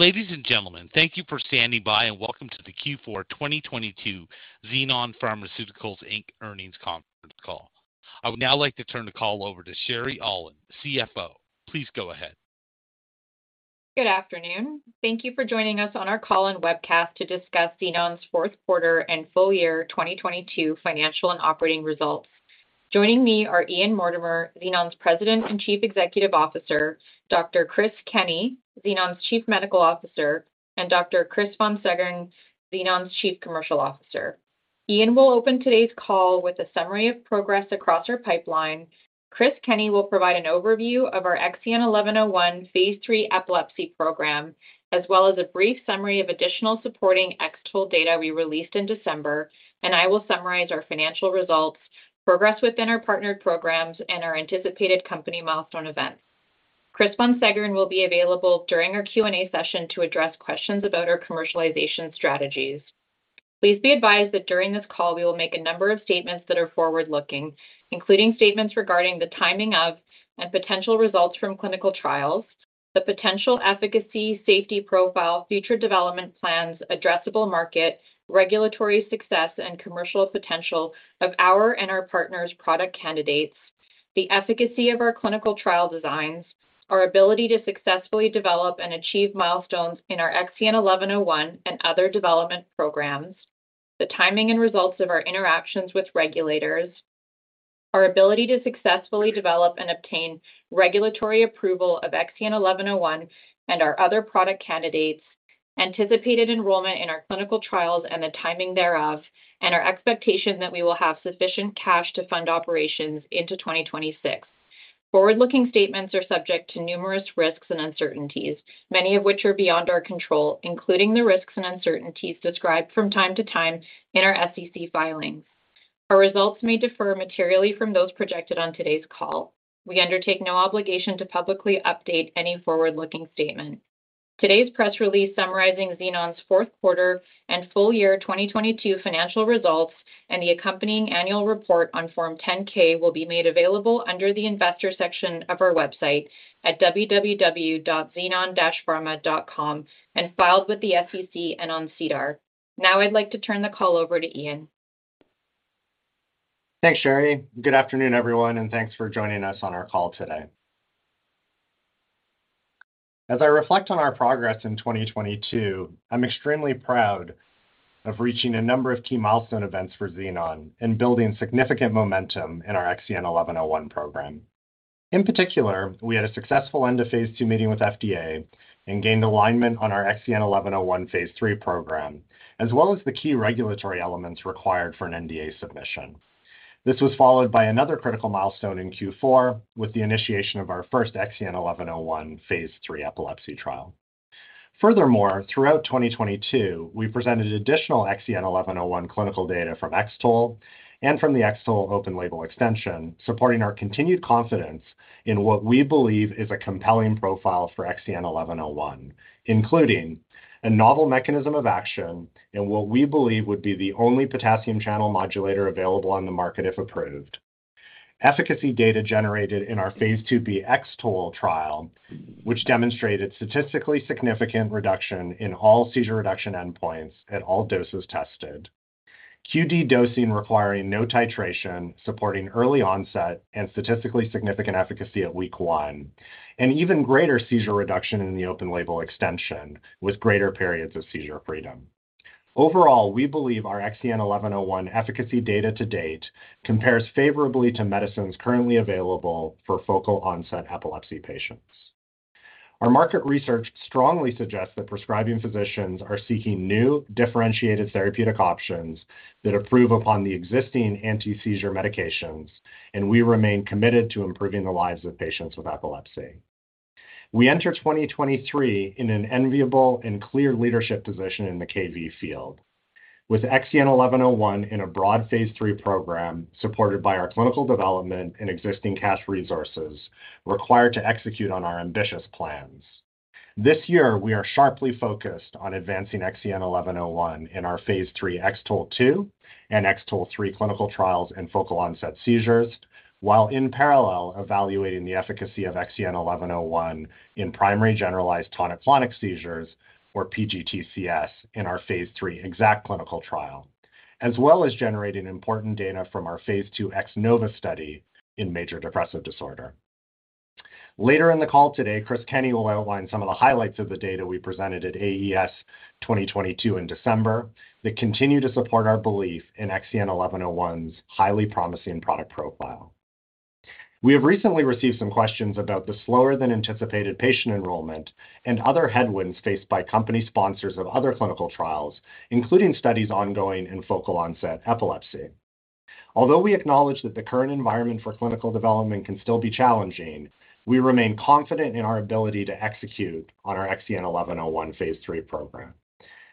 Ladies and gentlemen, thank you for standing by and welcome to the Q4 2022 Xenon Pharmaceuticals Inc. earnings conference call. I would now like to turn the call over to Sherry Aulin, CFO. Please go ahead. Good afternoon. Thank you for joining us on our call and webcast to discuss Xenon's fourth quarter and full year 2022 financial and operating results. Joining me are Ian Mortimer, Xenon's President and Chief Executive Officer, Dr. Chris Kenney, Xenon's Chief Medical Officer, and Dr. Chris Von Seggern, Xenon's Chief Commercial Officer. Ian will open today's call with a summary of progress across our pipeline. Chris Kenney will provide an overview of our XEN1101 Phase 3 epilepsy program, as well as a brief summary of additional supporting X-TOLE data we released in December. I will summarize our financial results, progress within our partnered programs, and our anticipated company milestone events. Chris Von Seggern will be available during our Q&A session to address questions about our commercialization strategies. Please be advised that during this call, we will make a number of statements that are forward-looking, including statements regarding the timing of and potential results from clinical trials, the potential efficacy, safety profile, future development plans, addressable market, regulatory success, and commercial potential of our and our partners' product candidates, the efficacy of our clinical trial designs, our ability to successfully develop and achieve milestones in our XEN1101 and other development programs, the timing and results of our interactions with regulators, our ability to successfully develop and obtain regulatory approval of XEN1101 and our other product candidates, anticipated enrollment in our clinical trials and the timing thereof, and our expectation that we will have sufficient cash to fund operations into 2026. Forward-looking statements are subject to numerous risks and uncertainties, many of which are beyond our control, including the risks and uncertainties described from time to time in our SEC filings. Our results may differ materially from those projected on today's call. We undertake no obligation to publicly update any forward-looking statement. Today's press release summarizing Xenon's fourth quarter and full year 2022 financial results and the accompanying annual report on Form 10-K will be made available under the Investors section of our website at www.xenon-pharma.com and filed with the SEC and on SEDAR. Now I'd like to turn the call over to Ian. Thanks, Sherry. Good afternoon, everyone, and thanks for joining us on our call today. As I reflect on our progress in 2022, I'm extremely proud of reaching a number of key milestone events for Xenon and building significant momentum in our XEN1101 program. In particular, we had a successful end of Phase 2 meeting with FDA and gained alignment on our XEN1101 Phase 3 program, as well as the key regulatory elements required for an NDA submission. This was followed by another critical milestone in Q4 with the initiation of our first XEN1101 Phase 3 epilepsy trial. Furthermore, throughout 2022, we presented additional XEN1101 clinical data from X-TOLE and from the X-TOLE open-label extension, supporting our continued confidence in what we believe is a compelling profile for XEN1101, including a novel mechanism of action in what we believe would be the only potassium channel modulator available on the market if approved. Efficacy data generated in our Phase 2b X-TOLE trial, which demonstrated statistically significant reduction in all seizure reduction endpoints at all doses tested. QD dosing requiring no titration, supporting early onset and statistically significant efficacy at week one, and even greater seizure reduction in the open-label extension with greater periods of seizure freedom. Overall, we believe our XEN1101 efficacy data to date compares favorably to medicines currently available for focal onset epilepsy patients. Our market research strongly suggests that prescribing physicians are seeking new, differentiated therapeutic options that improve upon the existing antiseizure medications, and we remain committed to improving the lives of patients with epilepsy. We enter 2023 in an enviable and clear leadership position in the Kv7 field. With XEN1101 in a broad Phase 3 program supported by our clinical development and existing cash resources required to execute on our ambitious plans. This year, we are sharply focused on advancing XEN1101 in our Phase 3 X-TOLE2 and X-TOLE3 clinical trials in focal onset seizures, while in parallel evaluating the efficacy of XEN1101 in primary generalized tonic-clonic seizures, or PGTCS, in our Phase 3 X-ACKT clinical trial, as well as generating important data from our Phase 2 X-NOVA study in major depressive disorder. Later in the call today, Chris Kenney will outline some of the highlights of the data we presented at AES 2022 in December that continue to support our belief in XEN1101's highly promising product profile. We have recently received some questions about the slower than anticipated patient enrollment and other headwinds faced by company sponsors of other clinical trials, including studies ongoing in focal onset epilepsy. Although we acknowledge that the current environment for clinical development can still be challenging, we remain confident in our ability to execute on our XEN1101 Phase 3 program.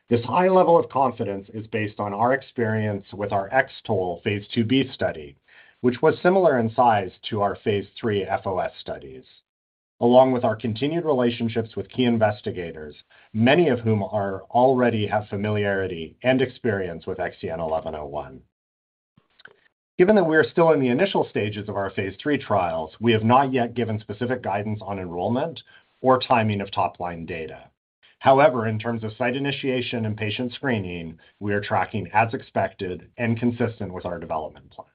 This high level of confidence is based on our experience with our X-TOLE Phase 2b study, which was similar in size to our Phase 3 FOS studies, along with our continued relationships with key investigators, many of whom already have familiarity and experience with XEN1101. Given that we are still in the initial stages of our Phase 3 trials, we have not yet given specific guidance on enrollment or timing of top-line data. In terms of site initiation and patient screening, we are tracking as expected and consistent with our development plans.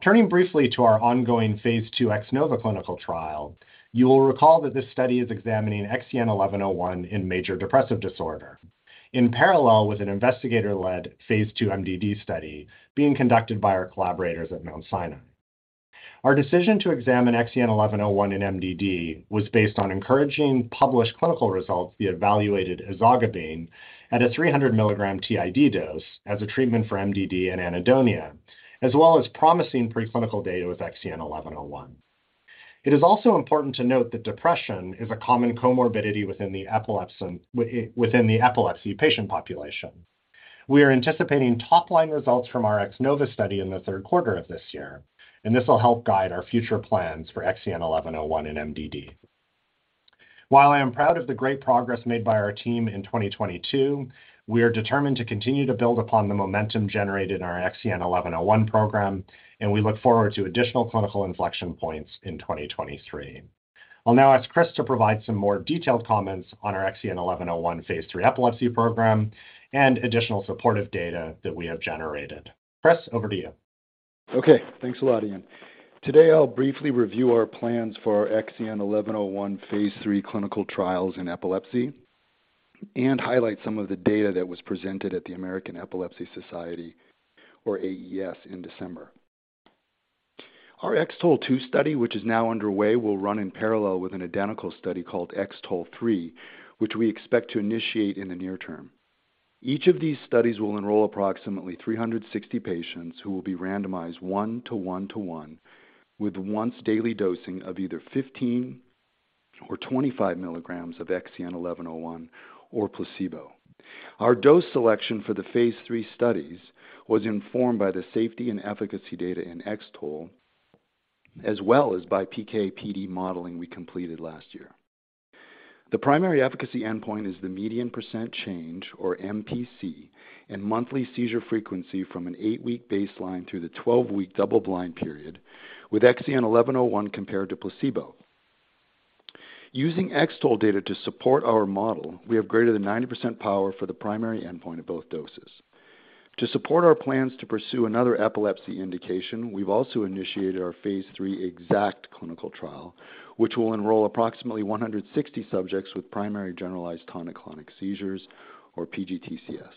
Turning briefly to our ongoing Phase 2 X-NOVA clinical trial, you will recall that this study is examining XEN1101 in major depressive disorder in parallel with an investigator-led Phase 2 MDD study being conducted by our collaborators at Mount Sinai. Our decision to examine XEN1101 in MDD was based on encouraging published clinical results via evaluated ezogabine at a 300 milligram TID dose as a treatment for MDD and anhedonia, as well as promising preclinical data with XEN1101. It is also important to note that depression is a common comorbidity within the epilepsy patient population. We are anticipating top-line results from our X-NOVA study in the third quarter of this year. This will help guide our future plans for XEN1101 in MDD. While I am proud of the great progress made by our team in 2022, we are determined to continue to build upon the momentum generated in our XEN1101 program. We look forward to additional clinical inflection points in 2023. I'll now ask Chris to provide some more detailed comments on our XEN1101 phase 3 epilepsy program and additional supportive data that we have generated. Chris, over to you. Okay, thanks a lot, Ian. Today, I'll briefly review our plans for our XEN1101 phase 3 clinical trials in epilepsy and highlight some of the data that was presented at the American Epilepsy Society, or AES, in December. Our X-TOLE 2 study, which is now underway, will run in parallel with an identical study called X-TOLE 3, which we expect to initiate in the near term. Each of these studies will enroll approximately 360 patients who will be randomized one-to-one to one with once-daily dosing of either 15 or 25 milligrams of XEN1101 or placebo. Our dose selection for the phase 3 studies was informed by the safety and efficacy data in X-TOLE, as well as by PK/PD modeling we completed last year. The primary efficacy endpoint is the median percent change, or MPC, and monthly seizure frequency from an 8-week baseline through the 12-week double-blind period with XEN1101 compared to placebo. Using X-TOLE data to support our model, we have greater than 90% power for the primary endpoint of both doses. To support our plans to pursue another epilepsy indication, we've also initiated our phase 3 X-ACKT clinical trial, which will enroll approximately 160 subjects with primary generalized tonic-clonic seizures, or PGTCS.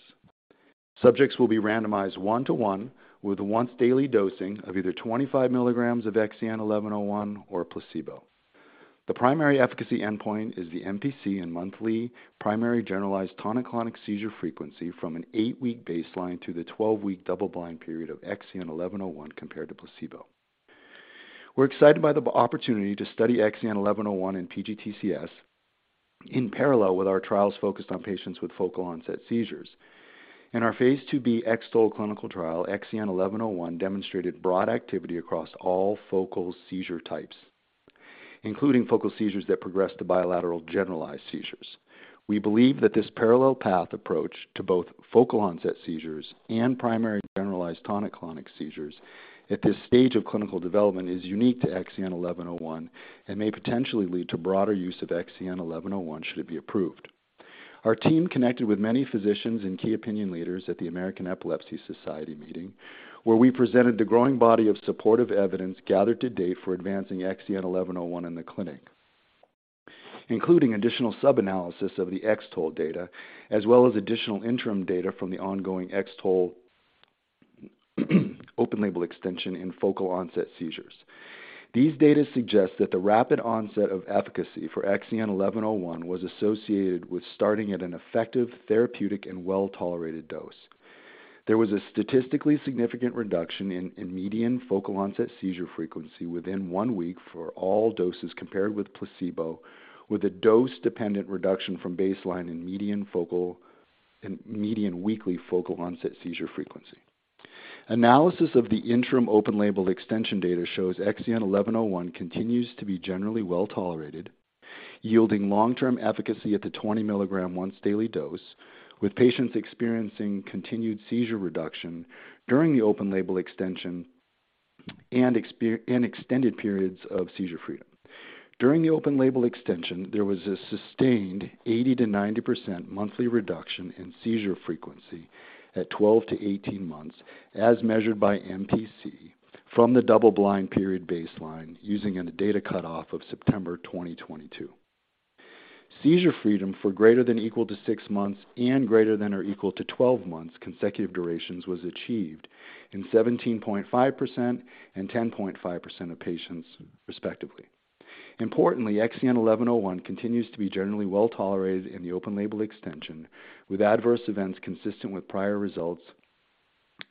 Subjects will be randomized 1 to 1 with once-daily dosing of either 25 mg of XEN1101 or placebo. The primary efficacy endpoint is the MPC in monthly primary generalized tonic-clonic seizure frequency from an 8-week baseline through the 12-week double-blind period of XEN1101 compared to placebo. We're excited by the opportunity to study XEN1101 in PGTCS in parallel with our trials focused on patients with focal onset seizures. In our phase 2b X-TOLE clinical trial, XEN1101 demonstrated broad activity across all focal seizure types, including focal seizures that progress to bilateral generalized seizures. We believe that this parallel path approach to both focal onset seizures and primary generalized tonic-clonic seizures at this stage of clinical development is unique to XEN1101 and may potentially lead to broader use of XEN1101 should it be approved. Our team connected with many physicians and key opinion leaders at the American Epilepsy Society meeting, where we presented the growing body of supportive evidence gathered to date for advancing XEN1101 in the clinic, including additional sub-analysis of the X-TOLE data, as well as additional interim data from the ongoing X-TOLE open-label extension in focal onset seizures. These data suggest that the rapid onset of efficacy for XEN1101 was associated with starting at an effective therapeutic and well-tolerated dose. There was a statistically significant reduction in median focal onset seizure frequency within 1 week for all doses compared with placebo, with a dose-dependent reduction from baseline in median weekly focal onset seizure frequency. Analysis of the interim open label extension data shows XEN1101 continues to be generally well-tolerated, yielding long-term efficacy at the 20 milligram once daily dose, with patients experiencing continued seizure reduction during the open label extension and extended periods of seizure freedom. During the open label extension, there was a sustained 80%-90% monthly reduction in seizure frequency at 12-18 months as measured by MPC from the double-blind period baseline using a data cutoff of September 2022. Seizure freedom for greater than or equal to 6 months and greater than or equal to 12 months consecutive durations was achieved in 17.5% and 10.5% of patients respectively. Importantly, XEN1101 continues to be generally well-tolerated in the open label extension, with adverse events consistent with prior results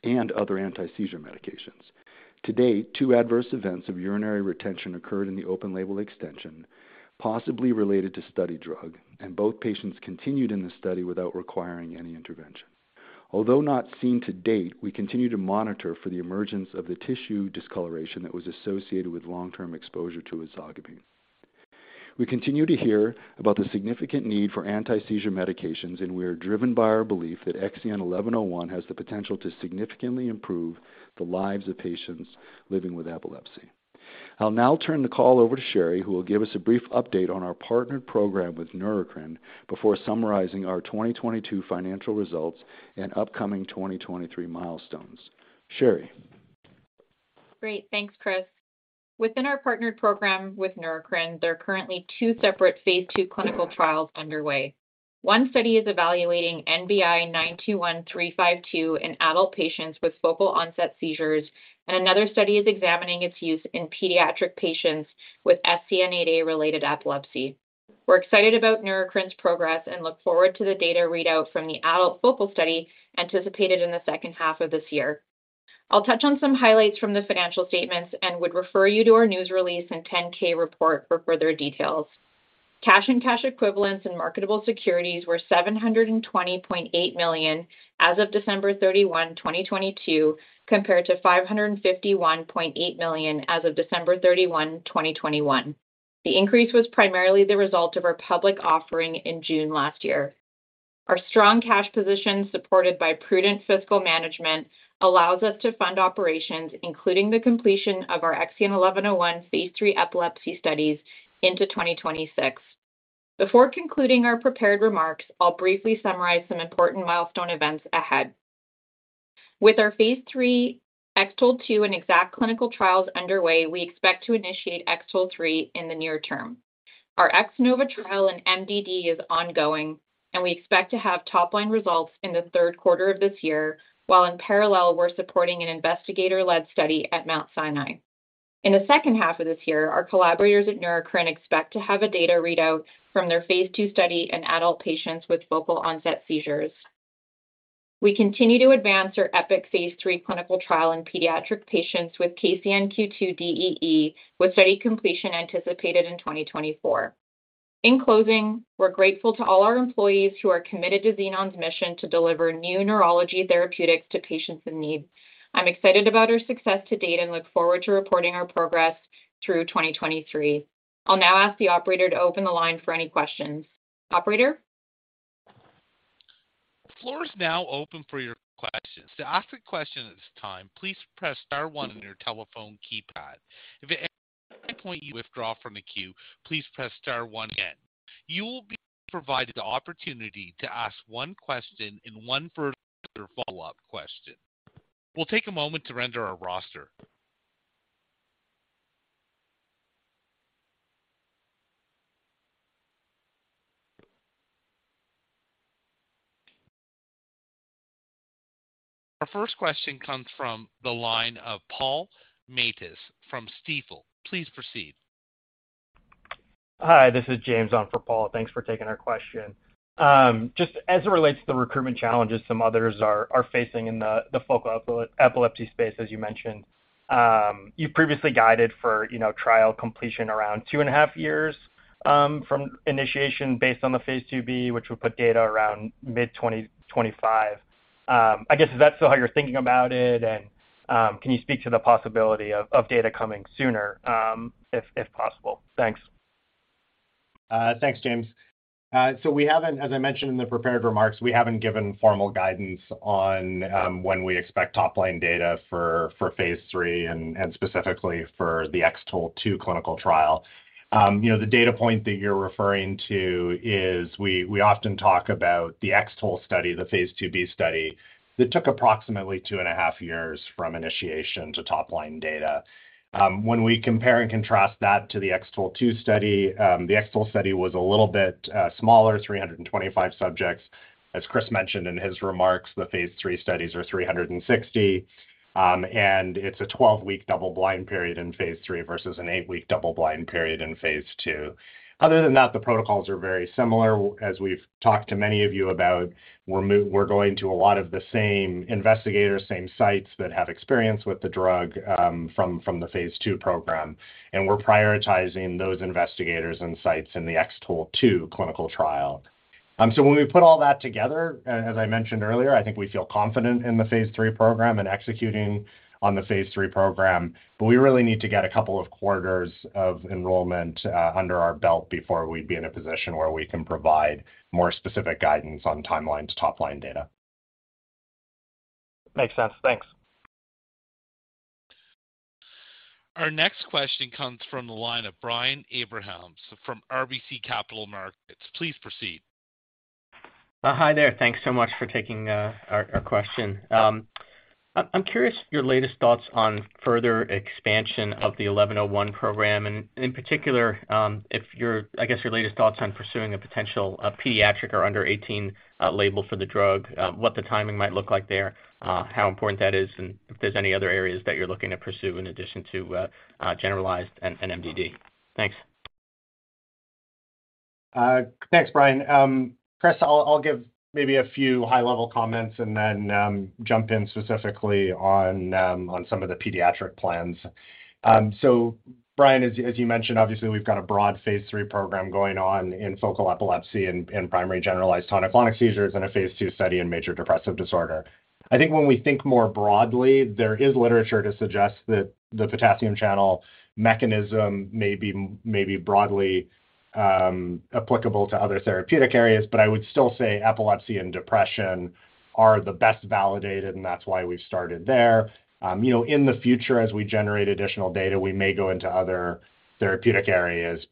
and other anti-seizure medications. To date, 2 adverse events of urinary retention occurred in the open label extension, possibly related to study drug, and both patients continued in the study without requiring any intervention. Although not seen to date, we continue to monitor for the emergence of the tissue discoloration that was associated with long-term exposure to ezogabine. We continue to hear about the significant need for antiseizure medications. We are driven by our belief that XEN1101 has the potential to significantly improve the lives of patients living with epilepsy. I'll now turn the call over to Sherry, who will give us a brief update on our partnered program with Neurocrine before summarizing our 2022 financial results and upcoming 2023 milestones. Sherry. Great. Thanks, Chris. Within our partnered program with Neurocrine, there are currently two separate phase 2 clinical trials underway. One study is evaluating NBI-921352 in adult patients with focal onset seizures. Another study is examining its use in pediatric patients with SCN8A related epilepsy. We're excited about Neurocrine's progress and look forward to the data readout from the adult focal study anticipated in the second half of this year. I'll touch on some highlights from the financial statements. Would refer you to our news release and 10-K report for further details. Cash and cash equivalents and marketable securities were $720.8 million as of December 31, 2022, compared to $551.8 million as of December 31, 2021. The increase was primarily the result of our public offering in June last year. Our strong cash position, supported by prudent fiscal management, allows us to fund operations, including the completion of our XEN1101 phase 3 epilepsy studies into 2026. Before concluding our prepared remarks, I'll briefly summarize some important milestone events ahead. With our phase 3 X-TOLE2 and X-ACKT clinical trials underway, we expect to initiate X-TOLE3 in the near term. Our X-NOVA trial in MDD is ongoing, and we expect to have top-line results in the 3rd quarter of this year. While in parallel, we're supporting an investigator-led study at Mount Sinai. In the 2nd half of this year, our collaborators at Neurocrine expect to have a data readout from their phase 2 study in adult patients with focal onset seizures. We continue to advance our EPIK phase 3 clinical trial in pediatric patients with KCNQ2-DEE, with study completion anticipated in 2024. In closing, we're grateful to all our employees who are committed to Xenon's mission to deliver new neurology therapeutics to patients in need. I'm excited about our success to date and look forward to reporting our progress through 2023. I'll now ask the operator to open the line for any questions. Operator? The floor is now open for your questions. To ask a question at this time, please press * one on your telephone keypad. If at any point you withdraw from the queue, please press * one again. You will be provided the opportunity to ask one question and one further follow-up question. We'll take a moment to render our roster. Our first question comes from the line of Paul Matteis from Stifel. Please proceed. Hi, this is James on for Paul. Thanks for taking our question. Just as it relates to the recruitment challenges some others are facing in the focal epilepsy space, as you mentioned, you previously guided for, you know, trial completion around two and a half years from initiation based on the Phase 2b, which would put data around mid-2025. I guess, is that still how you're thinking about it? Can you speak to the possibility of data coming sooner, if possible? Thanks. Thanks, James. As I mentioned in the prepared remarks, we haven't given formal guidance on when we expect top-line data for phase 3 and specifically for the X-TOLE2 clinical trial. The data point that you're referring to is we often talk about the X-TOLE study, the phase 2b study, that took approximately 2.5 years from initiation to top-line data. When we compare and contrast that to the X-TOLE2 study, the X-TOLE study was a little bit smaller, 325 subjects. As Chris mentioned in his remarks, the phase 3 studies are 360, and it's a 12-week double-blind period in phase 3 versus an 8-week double-blind period in phase 2. Other than that, the protocols are very similar. As we've talked to many of you about, we're going to a lot of the same investigators, same sites that have experience with the drug, from the phase 2 program. We're prioritizing those investigators and sites in the X-TOLE2 clinical trial. When we put all that together, as I mentioned earlier, I think we feel confident in the phase 3 program and executing on the phase 3 program. We really need to get a couple of quarters of enrollment under our belt before we'd be in a position where we can provide more specific guidance on timelines, top-line data. Makes sense. Thanks. Our next question comes from the line of Brian Abrahams from RBC Capital Markets. Please proceed. Hi there. Thanks so much for taking our question. I'm curious your latest thoughts on further expansion of the XEN1101 program, and in particular, if your latest thoughts on pursuing a potential pediatric or under 18 label for the drug, what the timing might look like there, how important that is, and if there's any other areas that you're looking to pursue in addition to generalized and MDD. Thanks. Thanks, Brian. Chris, I'll give maybe a few high-level comments and then jump in specifically on some of the pediatric plans. Brian, as you mentioned, obviously we've got a broad phase 3 program going on in focal epilepsy and primary generalized tonic-clonic seizures and a phase 2 study in major depressive disorder. I think when we think more broadly, there is literature to suggest that the potassium channel mechanism may be broadly applicable to other therapeutic areas. I would still say epilepsy and depression are the best validated, and that's why we started there. You know, in the future as we generate additional data,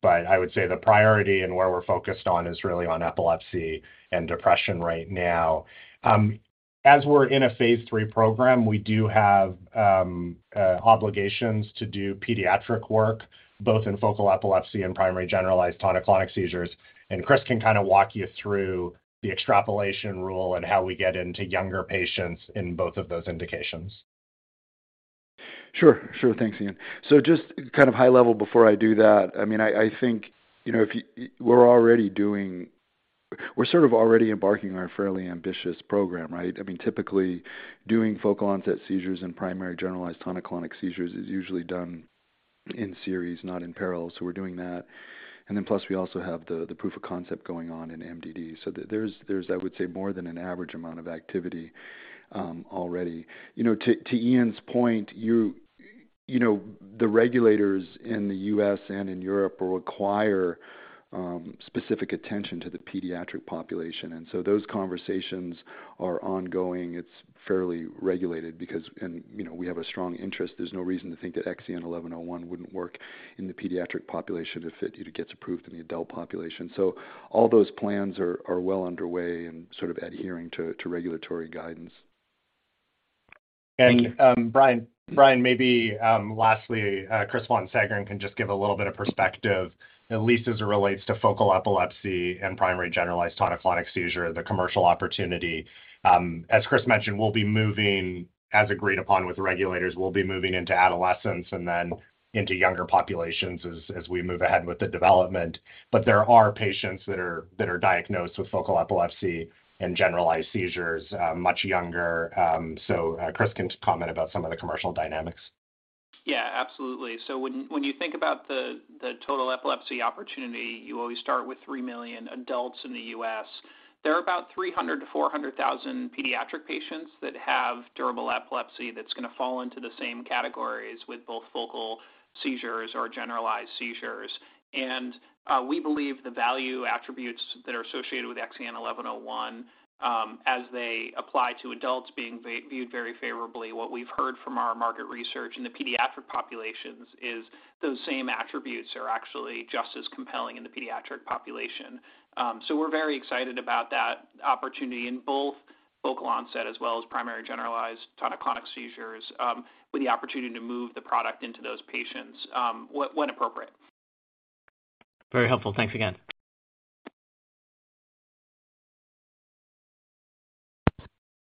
I would say the priority and where we're focused on is really on epilepsy and depression right now. As we're in a phase 3 program, we do have obligations to do pediatric work, both in focal epilepsy and primary generalized tonic-clonic seizures. Chris can kind of walk you through the extrapolation rule and how we get into younger patients in both of those indications. Sure. Sure. Thanks, Ian. Just kind of high level before I do that, I mean, I think, you know, We're sort of already embarking on a fairly ambitious program, right? I mean, typically doing focal onset seizures and primary generalized tonic-clonic seizures is usually done in series, not in parallel. We're doing that. Plus we also have the proof of concept going on in MDD. There's, I would say, more than an average amount of activity already. You know, to Ian's point, you know, the regulators in the U.S. and in Europe will require specific attention to the pediatric population. Those conversations are ongoing. It's fairly regulated because and, you know, we have a strong interest. There's no reason to think that XEN1101 wouldn't work in the pediatric population if it gets approved in the adult population. All those plans are well underway and sort of adhering to regulatory guidance. Brian, maybe, lastly, Chris Von Seggern can just give a little bit of perspective, at least as it relates to focal epilepsy and primary generalized tonic-clonic seizure, the commercial opportunity. As Chris mentioned, we'll be moving, as agreed upon with regulators, we'll be moving into adolescence and then into younger populations as we move ahead with the development. There are patients that are diagnosed with focal epilepsy and generalized seizures, much younger. Chris can comment about some of the commercial dynamics. Yeah, absolutely. When you think about the total epilepsy opportunity, you always start with 3 million adults in the U.S. There are about 300,000-400,000 pediatric patients that have durable epilepsy that's gonna fall into the same categories with both focal seizures or generalized seizures. We believe the value attributes that are associated with XEN1101, as they apply to adults being viewed very favorably. What we've heard from our market research in the pediatric populations is those same attributes are actually just as compelling in the pediatric population. We're very excited about that opportunity in both focal onset as well as primary generalized tonic-clonic seizures, with the opportunity to move the product into those patients when appropriate. Very helpful. Thanks again.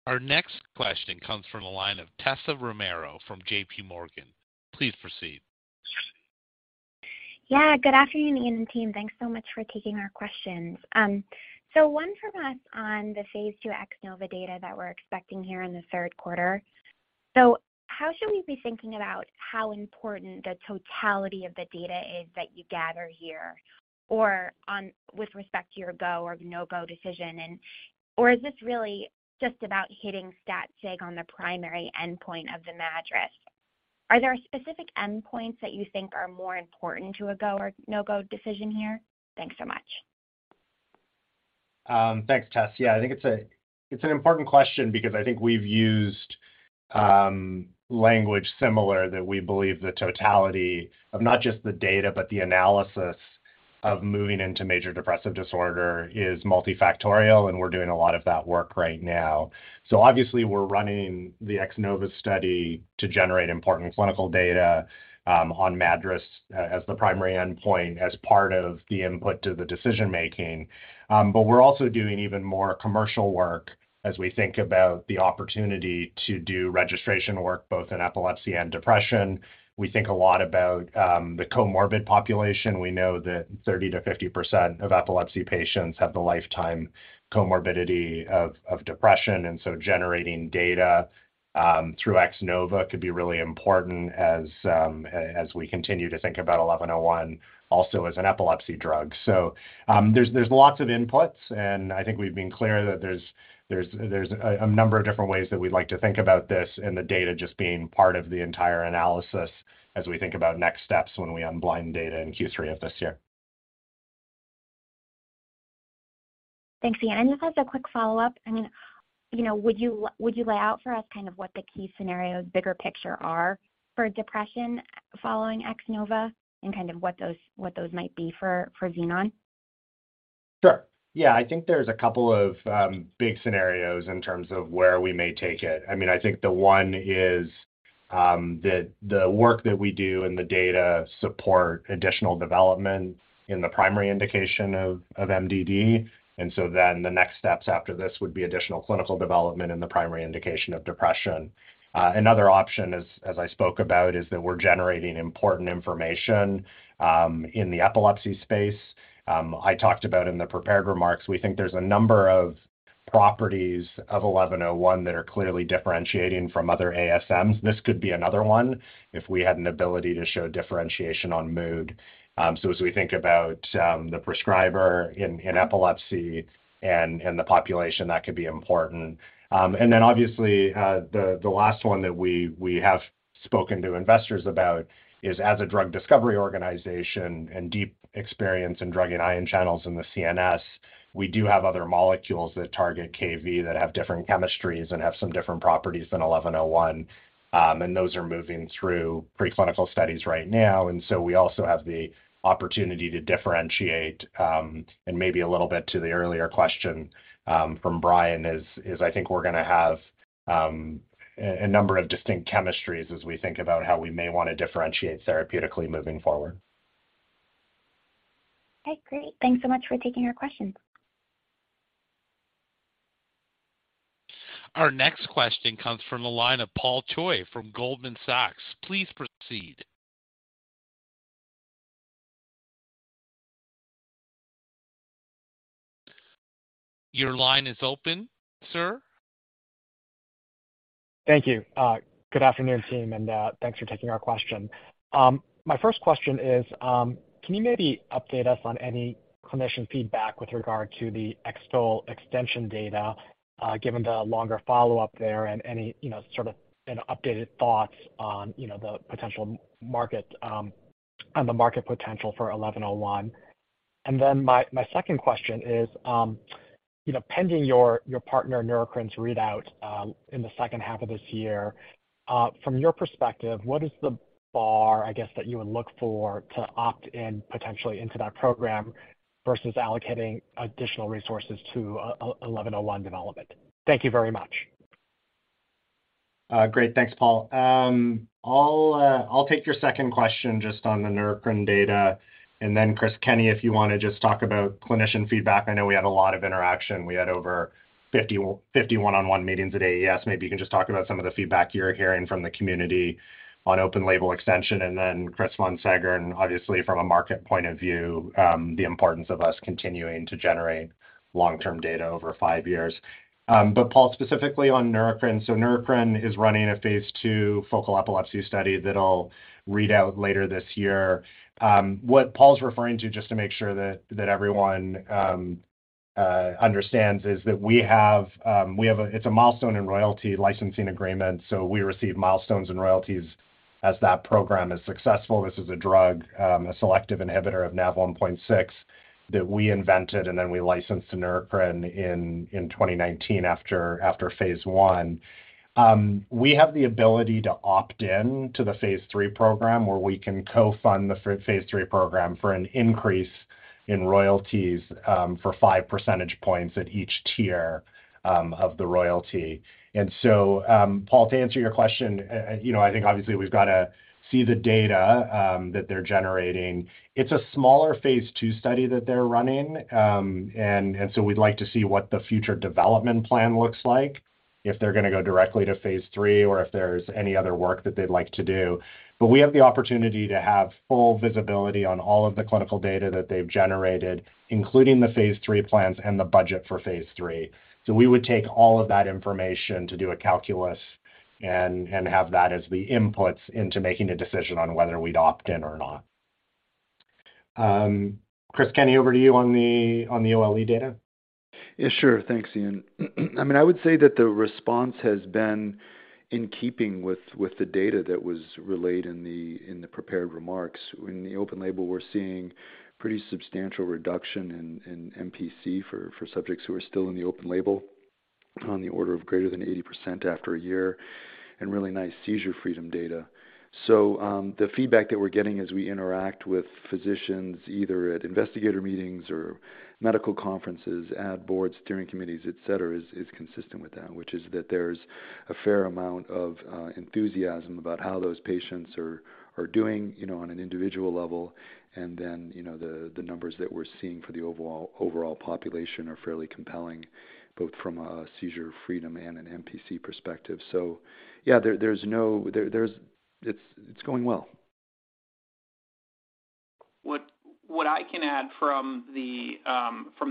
Our next question comes from the line of Tessa Romero from J.P. Morgan. Please proceed. Good afternoon, Ian and team. Thanks so much for taking our questions. One from us on the phase 2 X-NOVA data that we're expecting here in the third quarter. How should we be thinking about how important the totality of the data is that you gather here or on with respect to your go or no-go decision? Or is this really just about hitting stat sig on the primary endpoint of the MADRS? Are there specific endpoints that you think are more important to a go or no-go decision here? Thanks so much. Thanks, Tess. I think it's an important question because I think we've used language similar that we believe the totality of not just the data, but the analysis of moving into major depressive disorder is multifactorial, and we're doing a lot of that work right now. Obviously we're running the X-NOVA study to generate important clinical data on MADRS as the primary endpoint as part of the input to the decision-making. We're also doing even more commercial work as we think about the opportunity to do registration work both in epilepsy and depression. We think a lot about the comorbid population. We know that 30%-50% of epilepsy patients have the lifetime comorbidity of depression. Generating data through X-NOVA could be really important as we continue to think about XEN1101 also as an epilepsy drug. There's lots of inputs, and I think we've been clear that there's a number of different ways that we'd like to think about this and the data just being part of the entire analysis as we think about next steps when we unblind data in Q3 of this year. Thanks, Ian. Just as a quick follow-up, I mean, you know, would you lay out for us kind of what the key scenarios bigger picture are for depression following X-NOVA and kind of what those might be for Xenon? Sure. Yeah. I think there's a couple of big scenarios in terms of where we may take it. I mean, I think the one is that the work that we do and the data support additional development in the primary indication of MDD. The next steps after this would be additional clinical development in the primary indication of depression. Another option as I spoke about, is that we're generating important information in the epilepsy space. I talked about in the prepared remarks, we think there's a number of Properties of eleven oh one that are clearly differentiating from other ASMs. This could be another one if we had an ability to show differentiation on mood. As we think about the prescriber in epilepsy and the population, that could be important. Obviously, the last one that we have spoken to investors about is as a drug discovery organization and deep experience in drug ion channels in the CNS, we do have other molecules that target Kv7 that have different chemistries and have some different properties than XEN1101. Those are moving through preclinical studies right now. We also have the opportunity to differentiate, and maybe a little bit to the earlier question from Brian is, I think we're gonna have a number of distinct chemistries as we think about how we may want to differentiate therapeutically moving forward. Okay, great. Thanks so much for taking our questions. Our next question comes from the line of Paul Choi from Goldman Sachs. Please proceed. Your line is open, sir. Thank you. Good afternoon, team, and thanks for taking our question. My first question is, can you maybe update us on any clinician feedback with regard to the X-TOLE extension data, given the longer follow-up there and any, you know, sort of, you know, updated thoughts on, you know, the potential market on the market potential for XEN1101? My second question is, you know, pending your partner Neurocrine's readout in the second half of this year, from your perspective, what is the bar, I guess, that you would look for to opt in potentially into that program versus allocating additional resources to XEN1101 development? Thank you very much. Great. Thanks, Paul. I'll take your second question just on the Neurocrine data. Chris Kenney, if you wanna just talk about clinician feedback. I know we had a lot of interaction. We had over 50 one-on-one meetings at AES. Maybe you can just talk about some of the feedback you're hearing from the community on open label extension. Chris Von Seggern, obviously from a market point of view, the importance of us continuing to generate long-term data over 5 years. Paul, specifically on Neurocrine. Neurocrine is running a phase 2 focal epilepsy study that'll read out later this year. What Paul's referring to, just to make sure that everyone understands, is that we have It's a milestone in royalty licensing agreement, so we receive milestones and royalties as that program is successful. This is a drug, a selective inhibitor of NaV1.6 that we invented and then we licensed to Neurocrine in 2019 after phase one. We have the ability to opt in to the phase three program, where we can co-fund the phase three program for an increase in royalties for 5 percentage points at each tier of the royalty. Paul, to answer your question, you know, I think obviously we've gotta see the data that they're generating. It's a smaller phase two study that they're running. We'd like to see what the future development plan looks like, if they're gonna go directly to phase 3 or if there's any other work that they'd like to do. We have the opportunity to have full visibility on all of the clinical data that they've generated, including the phase 3 plans and the budget for phase 3. We would take all of that information to do a calculus and have that as the inputs into making a decision on whether we'd opt in or not. Chris Kenney, over to you on the OLE data. Yeah, sure. Thanks, Ian. I mean, I would say that the response has been in keeping with the data that was relayed in the, in the prepared remarks. In the open label, we're seeing pretty substantial reduction in MPC for subjects who are still in the open label on the order of greater than 80% after a year, and really nice seizure freedom data. The feedback that we're getting as we interact with physicians, either at investigator meetings or medical conferences, ad boards, steering committees, et cetera, is consistent with that, which is that there's a fair amount of enthusiasm about how those patients are doing, you know, on an individual level. The, the numbers that we're seeing for the overall population are fairly compelling, both from a seizure freedom and an MPC perspective. yeah, It's going well. What I can add from the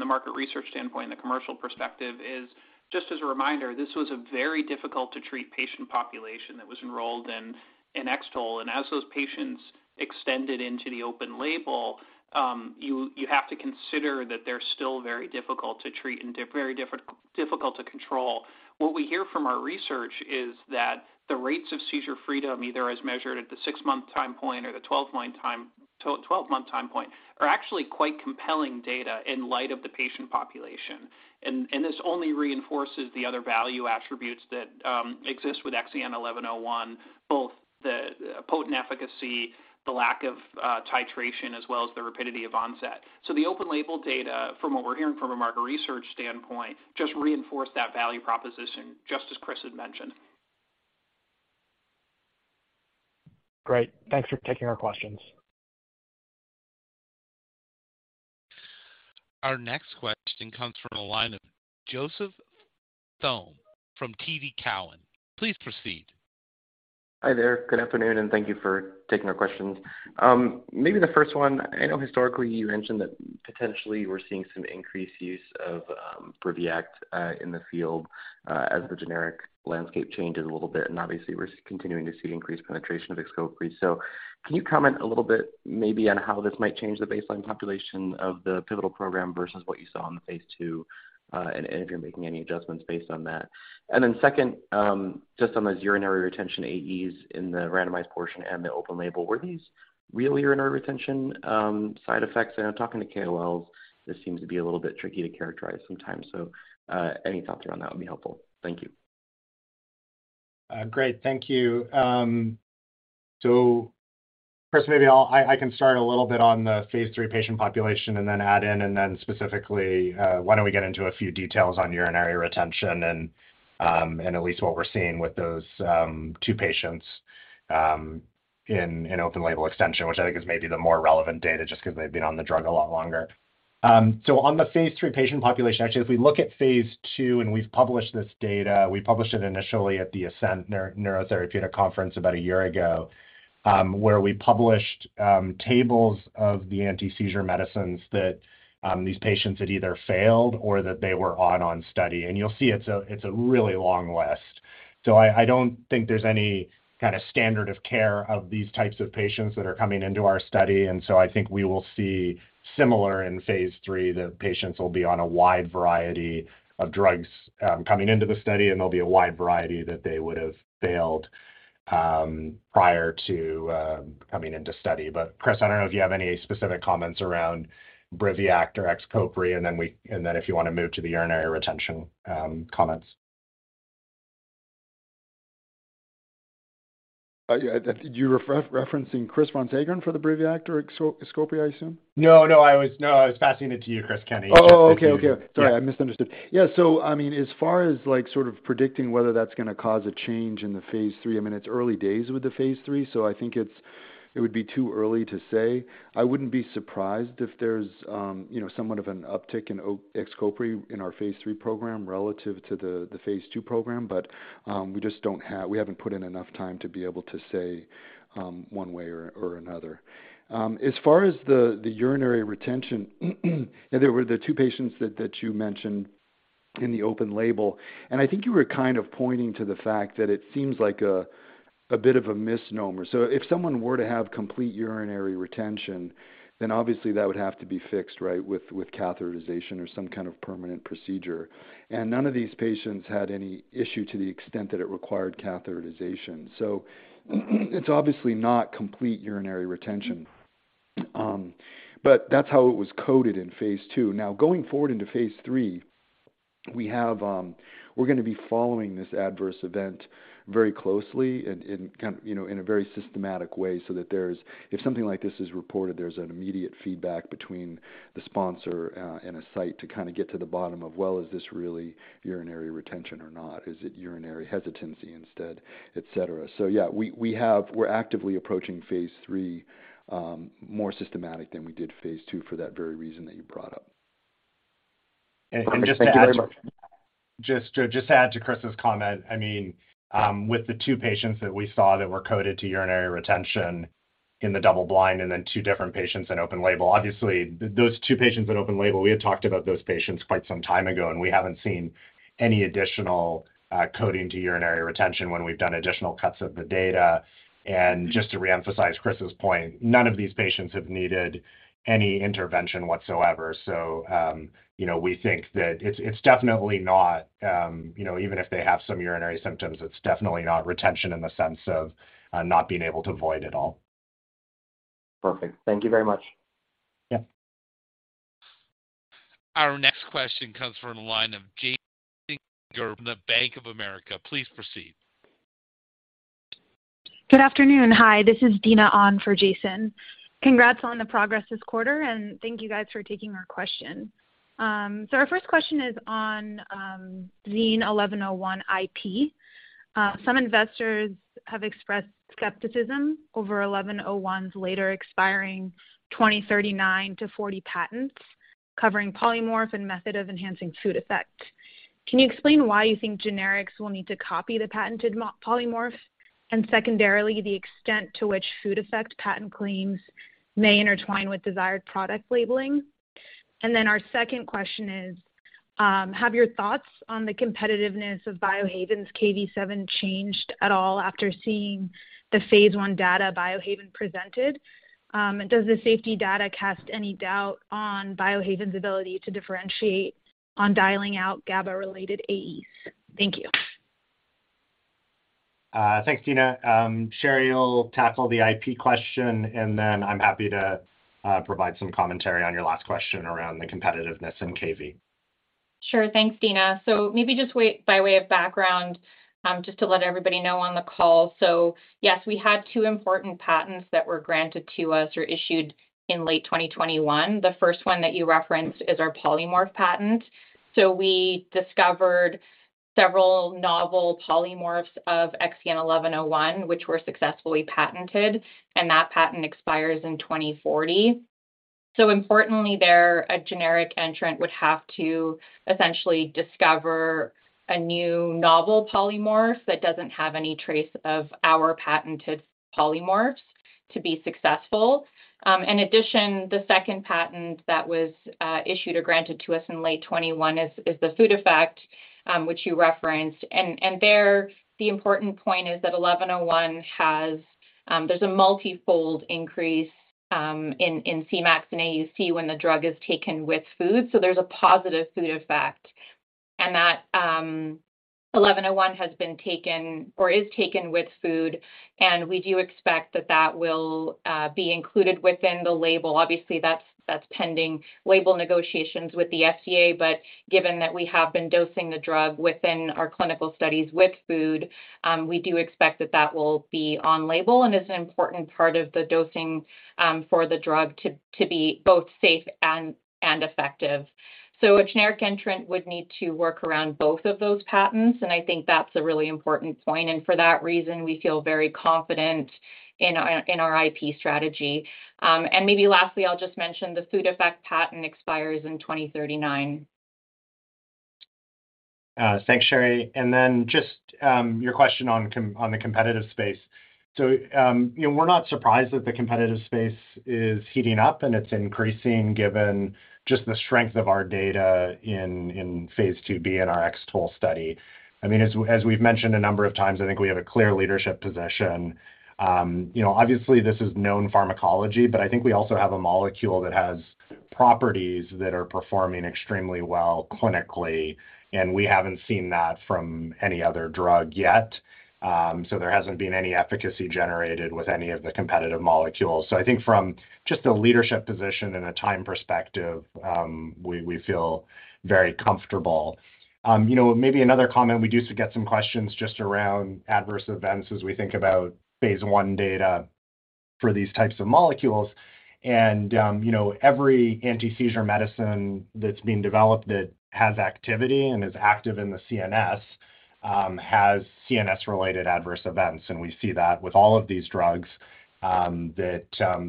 market research standpoint and the commercial perspective is just as a reminder, this was a very difficult to treat patient population that was enrolled in X-TOLE. As those patients extended into the open label, you have to consider that they're still very difficult to treat and very difficult to control. What we hear from our research is that the rates of seizure freedom, either as measured at the 6-month time point or the 12-month time point, are actually quite compelling data in light of the patient population. This only reinforces the other value attributes that exist with XEN1101, both the potent efficacy, the lack of titration, as well as the rapidity of onset. The open label data from what we're hearing from a market research standpoint just reinforce that value proposition, just as Chris had mentioned. Great. Thanks for taking our questions. Our next question comes from the line of Joseph Thome from TD Cowen. Please proceed. Hi there. Good afternoon, and thank you for taking our questions. Maybe the first one, I know historically you mentioned that potentially we're seeing some increased use of BRIVIACT in the field as the generic landscape changes a little bit, and obviously we're continuing to see increased penetration of XCOPRI. Can you comment a little bit maybe on how this might change the baseline population of the pivotal program versus what you saw in the phase 2, and if you're making any adjustments based on that? Second, just on those urinary retention AEs in the randomized portion and the open label. Were these real urinary retention side effects? I know talking to KOLs, this seems to be a little bit tricky to characterize sometimes. Any thoughts around that would be helpful. Thank you. Great. Thank you. First maybe I can start a little bit on the phase 3 patient population and then add in, and then specifically, why don't we get into a few details on urinary retention and at least what we're seeing with those 2 patients in open-label extension, which I think is maybe the more relevant data just 'cause they've been on the drug a lot longer. On the phase 3 patient population, actually, if we look at phase 2, and we've published this data. We published it initially at the ASENT Annual Meeting about a year ago, where we published tables of the antiseizure medicines that these patients had either failed or that they were on study. You'll see it's a really long list. I don't think there's any kinda standard of care of these types of patients that are coming into our study. I think we will see similar in phase 3, the patients will be on a wide variety of drugs coming into the study, and there'll be a wide variety that they would've failed prior to coming into study. Chris, I don't know if you have any specific comments around BRIVIACT or XCOPRI, and then if you wanna move to the urinary retention comments. Yeah, you're referencing Chris Von Seggern for the BRIVIACT or XCOPRI, I assume? No, no, I was... No, I was passing it to you, Chris Kenney. Oh, okay. If you- Sorry, I misunderstood. Yeah. I mean, as far as, like, sort of predicting whether that's gonna cause a change in the phase 3, I mean, it's early days with the phase 3, so I think it would be too early to say. I wouldn't be surprised if there's, you know, somewhat of an uptick in XCOPRI in our phase 3 program relative to the phase 2 program. We haven't put in enough time to be able to say, one way or another. As far as the urinary retention, yeah, there were the 2 patients that you mentioned in the open label, and I think you were kind of pointing to the fact that it seems like a bit of a misnomer. If someone were to have complete urinary retention, then obviously that would have to be fixed, right, with catheterization or some kind of permanent procedure. None of these patients had any issue to the extent that it required catheterization. It's obviously not complete urinary retention. That's how it was coded in phase 2. Going forward into phase 3, we're gonna be following this adverse event very closely and you know, in a very systematic way so that if something like this is reported, there's an immediate feedback between the sponsor and a site to kinda get to the bottom of, well, is this really urinary retention or not? Is it urinary hesitancy instead, et cetera. Yeah, we're actively approaching Phase 3, more systematic than we did Phase 2 for that very reason that you brought up. Perfect. Thank you very much. Just to add to Chris's comment, I mean, with the two patients that we saw that were coded to urinary retention in the double blind and then two different patients in open label. Obviously, those two patients in open label, we had talked about those patients quite some time ago, and we haven't seen any additional coding to urinary retention when we've done additional cuts of the data. Just to reemphasize Chris's point, none of these patients have needed any intervention whatsoever. You know, we think that it's definitely not, you know, even if they have some urinary symptoms, it's definitely not retention in the sense of not being able to void at all. Perfect. Thank you very much. Yeah. Our next question comes from the line of Jason Gerberry from the Bank of America. Please proceed. Good afternoon. Hi, this is Dina on for Jason. Congrats on the progress this quarter. Thank you guys for taking our question. Our first question is on XEN1101 IP. Some investors have expressed skepticism over 1101's later expiring 2039-2040 patents covering polymorph and method of enhancing food effects. Can you explain why you think generics will need to copy the patented polymorph? Secondarily, the extent to which food effect patent claims may intertwine with desired product labeling. Our second question is, have your thoughts on the competitiveness of Biohaven's Kv7 changed at all after seeing the phase 1 data Biohaven presented? Does the safety data cast any doubt on Biohaven's ability to differentiate on dialing out GABA-related AEs? Thank you. Thanks, Dina. Sherri will tackle the IP question, and then I'm happy to provide some commentary on your last question around the competitiveness in Kv. Sure. Thanks, Dina. Maybe just way, by way of background, just to let everybody know on the call. Yes, we had two important patents that were granted to us or issued in late 2021. The first one that you referenced is our polymorph patent. We discovered several novel polymorphs of XEN1101, which were successfully patented, and that patent expires in 2040. Importantly there, a generic entrant would have to essentially discover a new novel polymorph that doesn't have any trace of our patented polymorphs to be successful. In addition, the second patent that was issued or granted to us in late 2021 is the food effect, which you referenced. There the important point is that XEN1101 has, there's a multi-fold increase in Cmax and AUC when the drug is taken with food, so there's a positive food effect. XEN1101 has been taken or is taken with food, and we do expect that that will be included within the label. Obviously, that's pending label negotiations with the FDA. Given that we have been dosing the drug within our clinical studies with food, we do expect that that will be on label and is an important part of the dosing for the drug to be both safe and effective. A generic entrant would need to work around both of those patents, and I think that's a really important point. For that reason, we feel very confident in our IP strategy. Maybe lastly, I'll just mention the food effect patent expires in 2039. Thanks, Sherry. Your question on the competitive space. You know, we're not surprised that the competitive space is heating up and it's increasing given just the strength of our data in Phase 2b and our X-TOLE study. I mean, as we've mentioned a number of times, I think we have a clear leadership position. You know, obviously this is known pharmacology, but I think we also have a molecule that has properties that are performing extremely well clinically, and we haven't seen that from any other drug yet. There hasn't been any efficacy generated with any of the competitive molecules. I think from just a leadership position and a time perspective, we feel very comfortable. You know, maybe another comment, we do get some questions just around adverse events as we think about phase 1 data for these types of molecules. You know, every antiseizure medicine that's being developed that has activity and is active in the CNS, has CNS related adverse events. We see that with all of these drugs that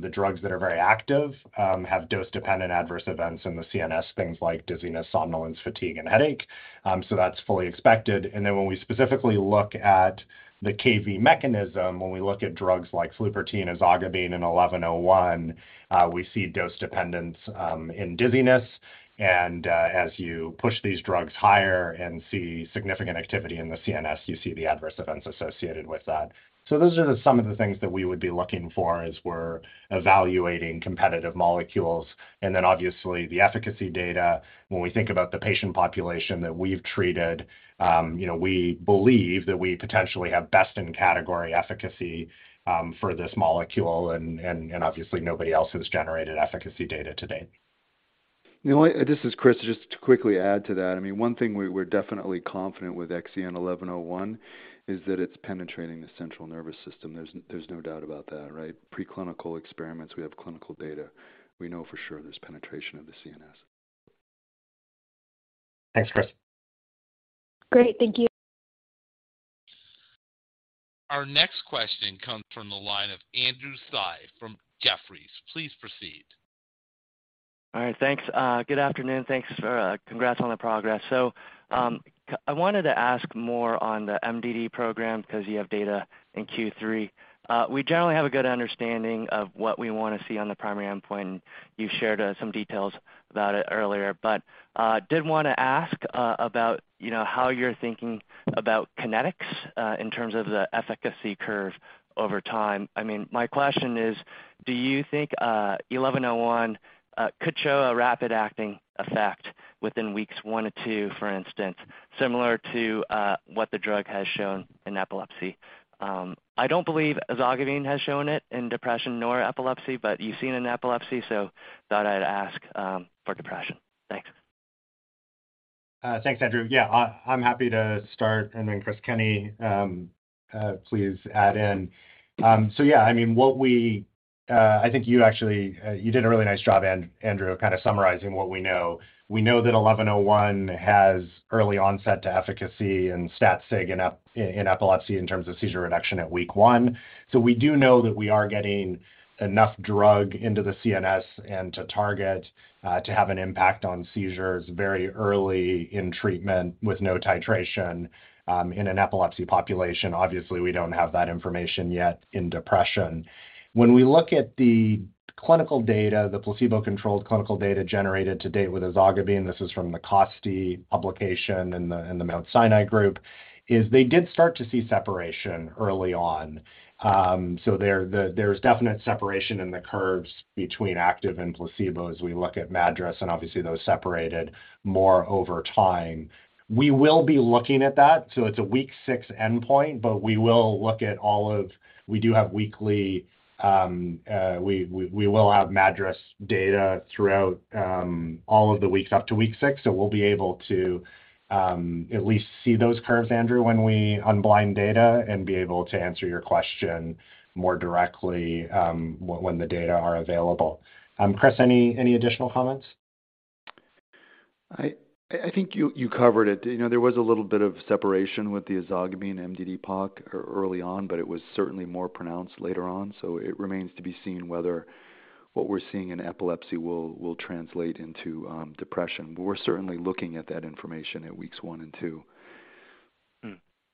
the drugs that are very active have dose dependent adverse events in the CNS, things like dizziness, somnolence, fatigue, and headache. That's fully expected. When we specifically look at the Kv7 mechanism, when we look at drugs like Flupirtine, ezogabine, and XEN1101, we see dose dependence in dizziness. As you push these drugs higher and see significant activity in the CNS, you see the adverse events associated with that. Those are the some of the things that we would be looking for as we're evaluating competitive molecules. Then obviously the efficacy data. When we think about the patient population that we've treated, you know, we believe that we potentially have best in category efficacy, for this molecule and obviously nobody else has generated efficacy data to date. You know what? This is Chris. Just to quickly add to that. I mean, one thing we're definitely confident with XEN1101 is that it's penetrating the central nervous system. There's no doubt about that, right? Preclinical experiments. We have clinical data. We know for sure there's penetration of the CNS. Thanks, Chris. Great. Thank you. Our next question comes from the line of Andrew Tsai from Jefferies. Please proceed. All right. Thanks. Good afternoon. Thanks for, congrats on the progress. I wanted to ask more on the MDD program 'cause you have data in Q3. We generally have a good understanding of what we wanna see on the primary endpoint, and you shared some details about it earlier. Did wanna ask about, you know, how you're thinking about kinetics in terms of the efficacy curve over time. I mean, my question is, do you think XEN1101 could show a rapid acting effect within weeks 1 or 2, for instance, similar to what the drug has shown in epilepsy? I don't believe ezogabine has shown it in depression nor epilepsy, you've seen it in epilepsy, thought I'd ask for depression. Thanks. Thanks, Andrew. Yeah, I'm happy to start and then Chris Kenney, please add in. Yeah, I mean, what we, I think you actually, you did a really nice job, Andrew, kind of summarizing what we know. We know that XEN1101 has early onset to efficacy and stat sig in epilepsy in terms of seizure reduction at week 1. We do know that we are getting enough drug into the CNS and to target, to have an impact on seizures very early in treatment with no titration, in an epilepsy population. Obviously, we don't have that information yet in depression. When we look at the clinical data, the placebo-controlled clinical data generated to date with ezogabine, this is from the Iosifescu publication and the Mount Sinai group, is they did start to see separation early on. There's definite separation in the curves between active and placebo as we look at MADRS, and obviously those separated more over time. We will be looking at that. It's a week 6 endpoint, but we do have weekly MADRS data throughout all of the weeks up to week 6. We'll be able to at least see those curves, Andrew, when we unblind data and be able to answer your question more directly when the data are available. Chris, any additional comments? I think you covered it. You know, there was a little bit of separation with the ezogabine MDD POC early on, but it was certainly more pronounced later on. It remains to be seen whether what we're seeing in epilepsy will translate into depression. We're certainly looking at that information at weeks one and two.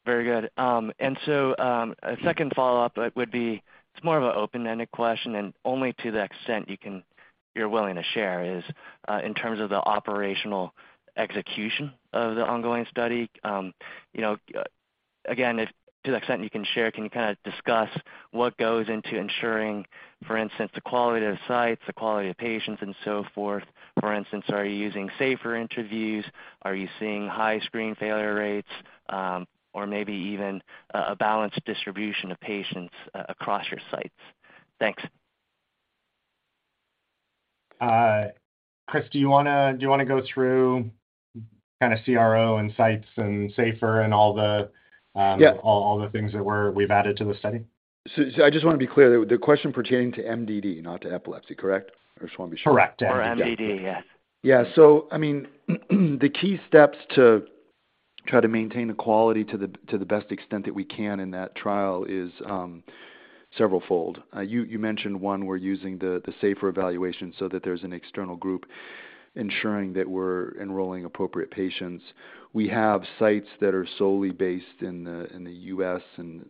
Very good. A second follow-up would be it's more of an open-ended question and only to the extent you're willing to share is in terms of the operational execution of the ongoing study. You know, again, if to the extent you can share, can you kinda discuss what goes into ensuring, for instance, the quality of the sites, the quality of patients and so forth. For instance, are you using C-SSRS interviews? Are you seeing high screen failure rates, or maybe even a balanced distribution of patients across your sites? Thanks. Chris, do you wanna go through kinda CRO and sites and safer and all the? Yeah. all the things that we've added to the study? I just want to be clear, the question pertaining to MDD, not to epilepsy, correct? I just want to be sure. Correct. For MDD, yes. Yeah. I mean, the key steps to try to maintain the quality to the best extent that we can in that trial is severalfold. You mentioned one, we're using the safer evaluation so that there's an external group ensuring that we're enrolling appropriate patients. We have sites that are solely based in the U.S. and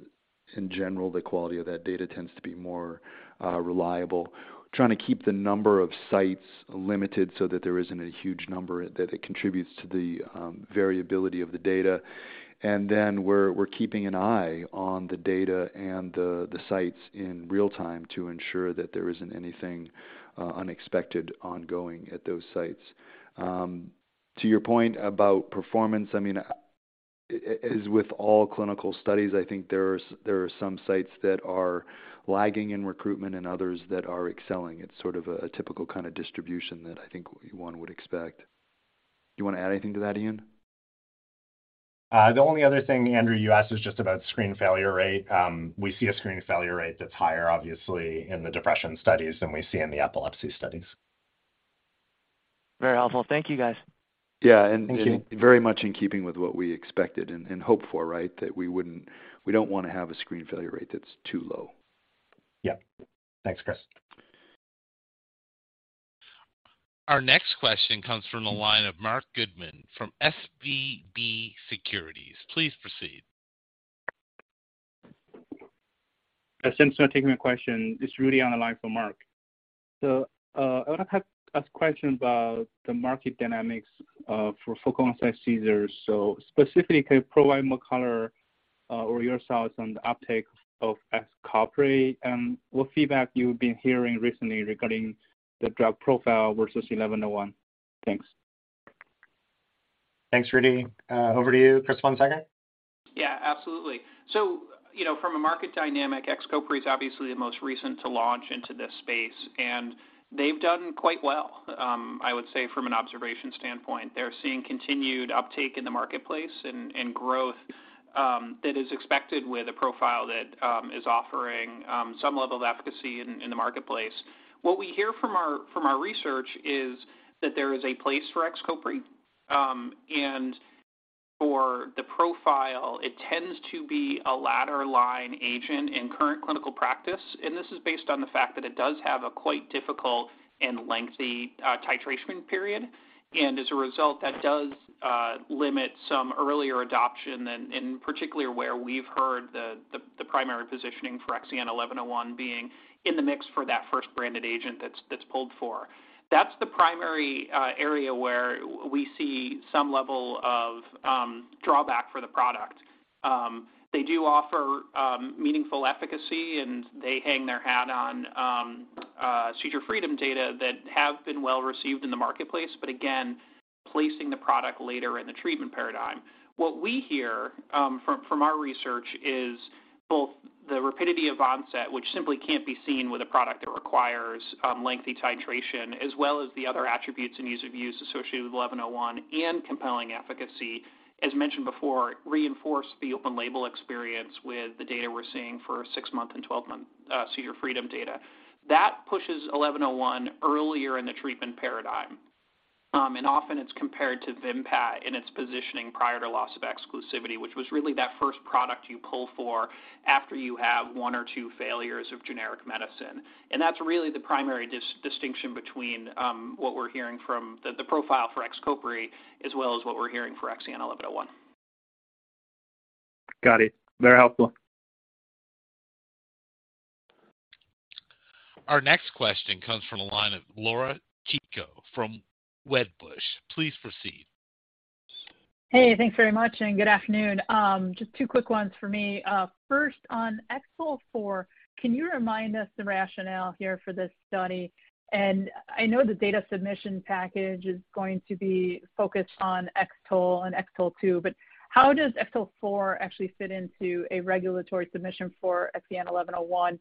in general, the quality of that data tends to be more reliable. Trying to keep the number of sites limited so that there isn't a huge number that it contributes to the variability of the data. We're keeping an eye on the data and the sites in real time to ensure that there isn't anything unexpected ongoing at those sites. To your point about performance, I mean, as with all clinical studies, I think there are some sites that are lagging in recruitment and others that are excelling. It's sort of a typical kinda distribution that I think one would expect. Do you wanna add anything to that, Ian? The only other thing, Andrew, you asked is just about screen failure rate. We see a screen failure rate that's higher obviously in the depression studies than we see in the epilepsy studies. Very helpful. Thank you, guys. Yeah. Thank you. Very much in keeping with what we expected and hope for, right? That we don't wanna have a screen failure rate that's too low. Yeah. Thanks, Chris. Our next question comes from the line of Marc Goodman from SVB Securities. Please proceed. Yes, thanks for taking my question. This is Rudy on the line for Mark. I wanna ask a question about the market dynamics for focal onset seizures. Specifically, can you provide more color or your thoughts on the uptake of XCOPRI and what feedback you've been hearing recently regarding the drug profile versus XEN1101? Thanks. Thanks, Rudy. Over to you, Chris Von Seggern. Yeah, absolutely. You know, from a market dynamic, XCOPRI is obviously the most recent to launch into this space, and they've done quite well, I would say, from an observation standpoint. They're seeing continued uptake in the marketplace and growth that is expected with a profile that is offering some level of efficacy in the marketplace. What we hear from our research is that there is a place for XCOPRI, and for the profile, it tends to be a latter line agent in current clinical practice. This is based on the fact that it does have a quite difficult and lengthy titration period. As a result, that does limit some earlier adoption and particularly where we've heard the primary positioning for XEN1101 being in the mix for that first branded agent that's pulled for. That's the primary area where we see some level of drawback for the product. They do offer meaningful efficacy, and they hang their hat on seizure freedom data that have been well-received in the marketplace, but again, placing the product later in the treatment paradigm. What we hear from our research is both the rapidity of onset, which simply can't be seen with a product that requires lengthy titration, as well as the other attributes and ease of use associated with XEN1101 and compelling efficacy, as mentioned before, reinforce the open label experience with the data we're seeing for 6-month and 12-month seizure freedom data. That pushes XEN1101 earlier in the treatment paradigm. Often it's compared to Vimpat in its positioning prior to loss of exclusivity, which was really that first product you pull for after you have 1 or 2 failures of generic medicine. That's really the primary distinction between what we're hearing from the profile for XCOPRI, as well as what we're hearing for XEN1101. Got it. Very helpful. Our next question comes from the line of Laura Chico from Wedbush. Please proceed. Thanks very much, good afternoon. Just 2 quick ones for me. First on X-TOLE4, can you remind us the rationale here for this study? I know the data submission package is going to be focused on X-TOLE and X-TOLE2, how does X-TOLE4 actually fit into a regulatory submission for XEN1101?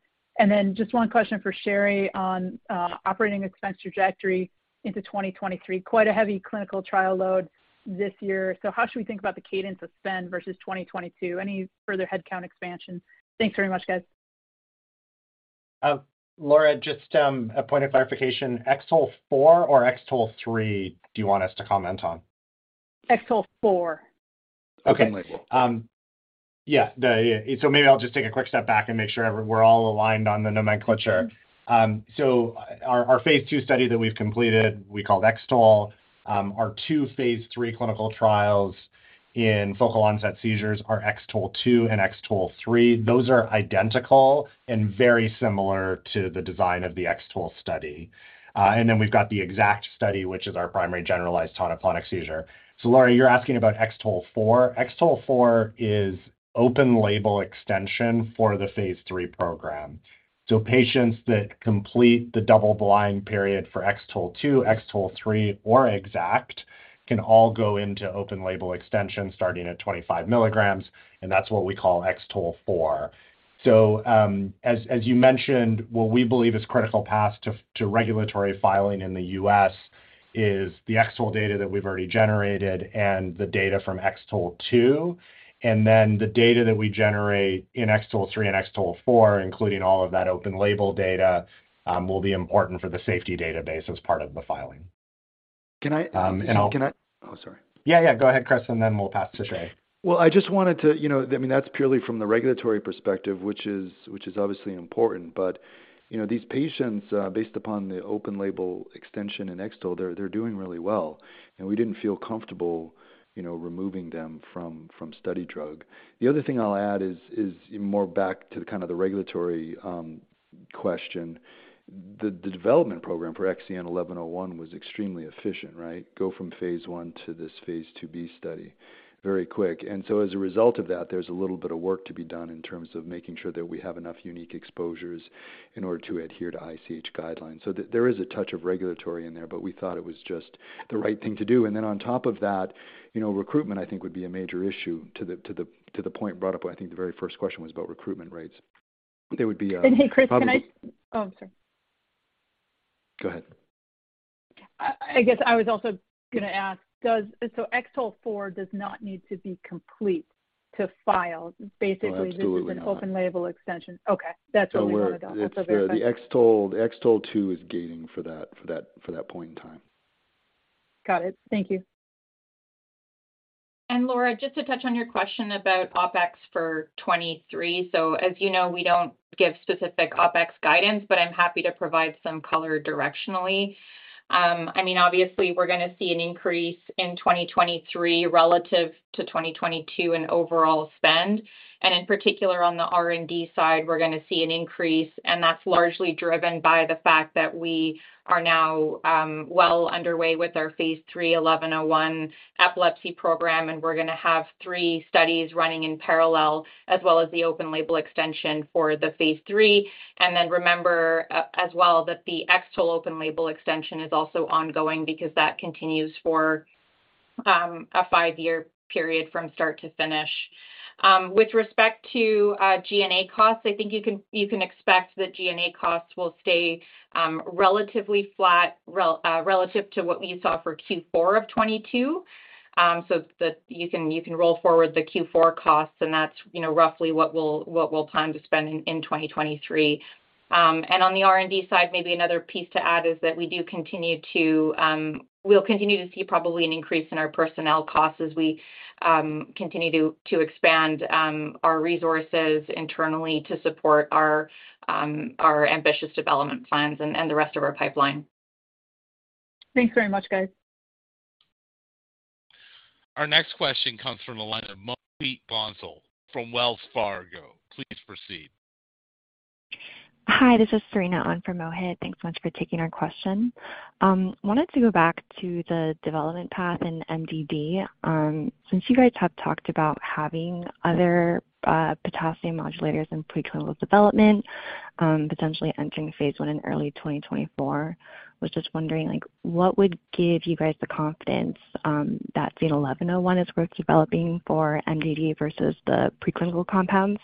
Just 1 question for Sherry on operating expense trajectory into 2023. Quite a heavy clinical trial load this year. How should we think about the cadence of spend versus 2022? Any further headcount expansion? Thanks very much, guys. Laura, just a point of clarification. X-TOLE4 or X-TOLE3 do you want us to comment on? X-TOLE4. Okay. Open label. Yeah. Maybe I'll just take a quick step back and make sure we're all aligned on the nomenclature. Our phase 2 study that we've completed, we called X-TOLE. Our 2 phase 3 clinical trials in focal onset seizures are X-TOLE2 and X-TOLE3. Those are identical and very similar to the design of the X-TOLE study. We've got the X-ACKT study, which is our primary generalized tonic-clonic seizure. Laura, you're asking about X-TOLE4. X-TOLE4 is open-label extension for the phase 3 program. Patients that complete the double-blind period for X-TOLE2, X-TOLE3, or X-ACKT can all go into open-label extension starting at 25 milligrams, and that's what we call X-TOLE4. as you mentioned, what we believe is critical path to regulatory filing in the U.S. is the X-TOLE data that we've already generated and the data from X-TOLE2, and then the data that we generate in X-TOLE3 and X-TOLE4, including all of that open label data, will be important for the safety database as part of the filing. Can I- Um, and I'll- Oh, sorry. Yeah, yeah. Go ahead, Chris, and then we'll pass to Sherry. Well, I just wanted to. You know, I mean, that's purely from the regulatory perspective, which is obviously important. You know, these patients, based upon the open-label extension in X-TOLE, they're doing really well, and we didn't feel comfortable, you know, removing them from study drug. The other thing I'll add is more back to kind of the regulatory question. The development program for XEN1101 was extremely efficient, right? Go from phase 1 to this phase 2b study very quick. As a result of that, there's a little bit of work to be done in terms of making sure that we have enough unique exposures in order to adhere to ICH guidelines. There is a touch of regulatory in there, but we thought it was just the right thing to do. On top of that, you know, recruitment I think would be a major issue to the point brought up. I think the very first question was about recruitment rates. There would be, Hey, Chris. Oh, I'm sorry. Go ahead. I guess I was also gonna ask, X-TOLE4 does not need to be complete to file? Oh, absolutely not! this is an open-label extension. Okay. That's all I wanted to know. So we're- Also verify. The X-TOLE, the X-TOLE2 is gating for that point in time. Got it. Thank you. Laura, just to touch on your question about OpEx for 2023. As you know, we don't give specific OpEx guidance, but I'm happy to provide some color directionally. I mean, obviously we're gonna see an increase in 2023 relative to 2022 in overall spend. In particular on the R&D side, we're gonna see an increase, and that's largely driven by the fact that we are now well underway with our phase 3 XEN1101 epilepsy program, and we're gonna have three studies running in parallel as well as the open-label extension for the phase 3. Then remember as well that the X-TOLE open-label extension is also ongoing because that continues for a five-year period from start to finish. With respect to G&A costs, I think you can expect that G&A costs will stay relatively flat relative to what you saw for Q4 of 2022. You can roll forward the Q4 costs, and that's, you know, roughly what we'll plan to spend in 2023. On the R&D side, maybe another piece to add is that we do continue to, we'll continue to see probably an increase in our personnel costs as we continue to expand our resources internally to support our ambitious development plans and the rest of our pipeline. Thanks very much, guys. Our next question comes from the line of Mohit Bansal from Wells Fargo. Please proceed. Hi, this is Serena on for Mohit. Thanks much for taking our question. Wanted to go back to the development path in MDD. Since you guys have talked about having other potassium modulators in preclinical development, potentially entering phase 1 in early 2024, was just wondering, like, what would give you guys the confidence that XEN1101 is worth developing for MDD versus the preclinical compounds?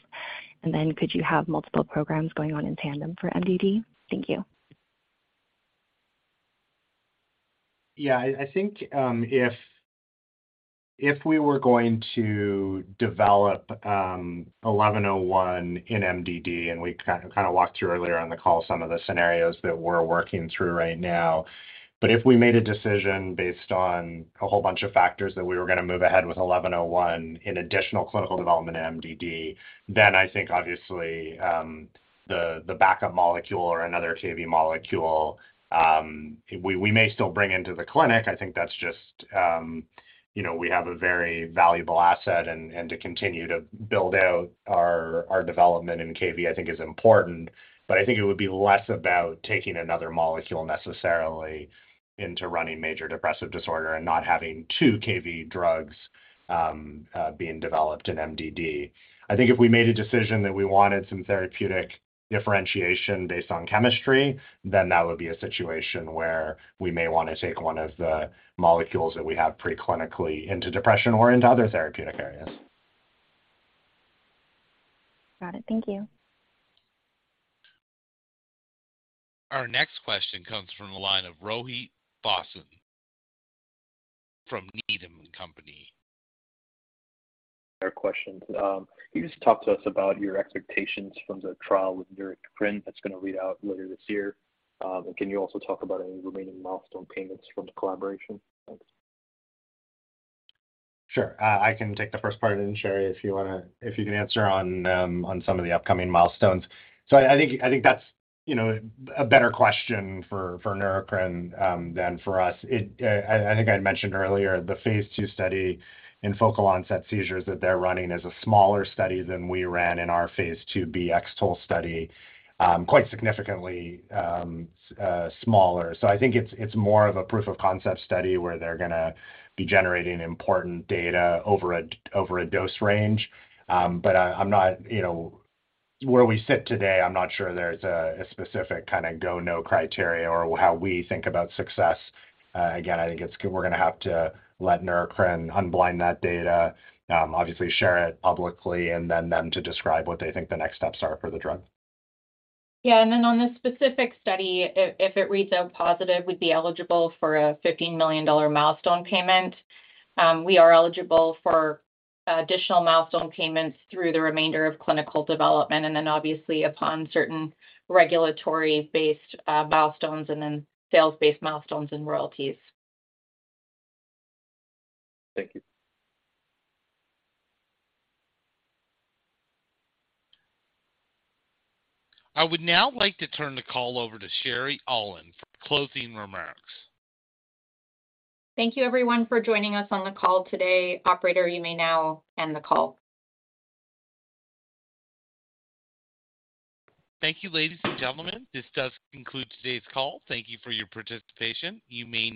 Could you have multiple programs going on in tandem for MDD? Thank you. Yeah. I think, if we were going to develop XEN1101 in MDD, and we kind of walked through earlier on the call some of the scenarios that we're working through right now. If we made a decision based on a whole bunch of factors that we were gonna move ahead with XEN1101 in additional clinical development in MDD, then I think obviously, the backup molecule or another Kv7 molecule, we may still bring into the clinic. I think that's just, you know, we have a very valuable asset and to continue to build out our development in Kv7, I think is important. I think it would be less about taking another molecule necessarily into running major depressive disorder and not having two Kv7 drugs being developed in MDD. I think if we made a decision that we wanted some therapeutic differentiation based on chemistry, that would be a situation where we may wanna take one of the molecules that we have preclinically into depression or into other therapeutic areas. Got it. Thank you. Our next question comes from the line of Rohit Bhasin from Needham & Company. Other questions. Can you just talk to us about your expectations from the trial with Neurocrine that's gonna read out later this year? Can you also talk about any remaining milestone payments from the collaboration? Thanks. Sure. I can take the first part, and Sherry, if you can answer on some of the upcoming milestones. I think that's, you know, a better question for Neurocrine than for us. I think I'd mentioned earlier the phase 2 study in focal onset seizures that they're running is a smaller study than we ran in our phase 2 X-TOLE study, quite significantly smaller. I think it's more of a proof of concept study where they're gonna be generating important data over a dose range. I'm not, where we sit today, I'm not sure there's a specific kinda go/no criteria or how we think about success. Again, I think it's... we're gonna have to let Neurocrine unblind that data, obviously share it publicly and then them to describe what they think the next steps are for the drug. Yeah. Then on this specific study, if it reads out positive, we'd be eligible for a $50 million milestone payment. We are eligible for additional milestone payments through the remainder of clinical development, and then obviously upon certain regulatory based milestones and then sales-based milestones and royalties. Thank you. I would now like to turn the call over to Sherry Aulin for closing remarks. Thank you everyone for joining us on the call today. Operator, you may now end the call. Thank you, ladies and gentlemen. This does conclude today's call. Thank you for your participation. You may now disconnect.